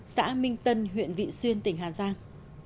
xã minh tân huyện vị xuyên tỉnh hà giang